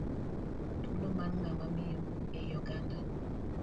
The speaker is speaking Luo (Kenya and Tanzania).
Thuolo mar ng'ama miyo e i oganda